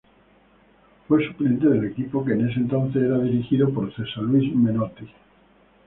Fue suplente del equipo que en ese entonces era dirigido por Cesar Luis Menotti.